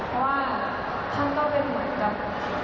เพราะว่าท่านก็เป็นเหมือนกับ